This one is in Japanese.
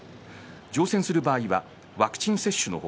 乗船する場合はワクチン接種の他